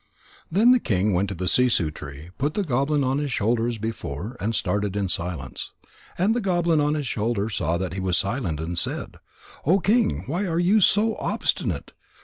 _ Then the king went to the sissoo tree, put the goblin on his shoulder as before, and started in silence. And the goblin on his shoulder saw that he was silent and said: "O King, why are you so obstinate?